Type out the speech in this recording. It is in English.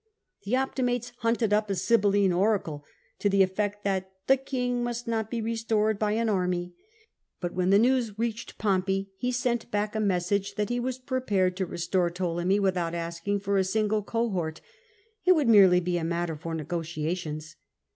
The Optimates hunted up a Sibylline oracle, to the effect that '"the king must not be restored by an army." But when the news reached Pompey, he sent back a message that he was prepared to restore Ptolemy without asking for a single cohort ; it would merely be a matter for negotiations.